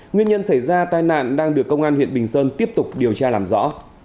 nguyên nhân xảy ra tai nạn đang được công an huyện bình sơn tiếp tục điều tra làm rõ